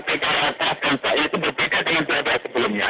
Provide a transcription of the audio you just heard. iya itu berbeda dengan jenazah sebelumnya